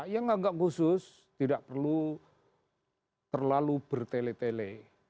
yang agak khusus tidak perlu terlalu bertele tele